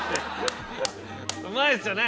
うまいですよね。